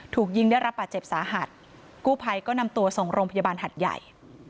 ถูกยิงได้รับบาดเจ็บสาหัสกู้ภัยก็นำตัวส่งโรงพยาบาลหัดใหญ่